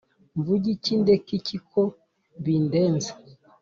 mvuge iki ndeke iki ko bindenze’